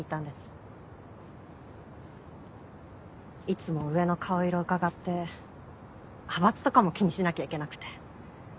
いつも上の顔色うかがって派閥とかも気にしなきゃいけなくて。